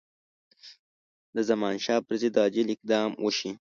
د زمانشاه پر ضد عاجل اقدام وشي.